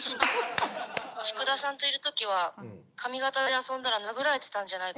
「福田さんといる時は髪形で遊んだら殴られてたんじゃないかなって」